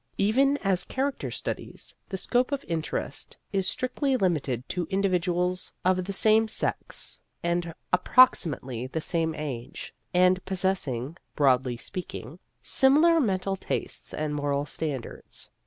Even as character studies, the scope of interest is strictly limited to individuals of the same sex and approximately the same age, and possessing broadly speaking similar mental tastes and moral standards.